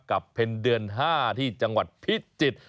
เพ็ญเดือน๕ที่จังหวัดพิจิตร